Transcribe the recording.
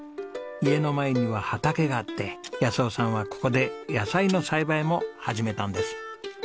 家の前には畑があって夫さんはここで野菜の栽培も始めたんです。